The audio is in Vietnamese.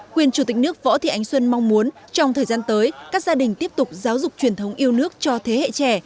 quyền chủ tịch nước võ thị ánh xuân mong muốn trong thời gian tới các gia đình tiếp tục giáo dục truyền thống yêu nước cho thế hệ trẻ